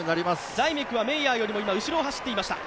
ザイメクはメイヤーより後ろを走っていました。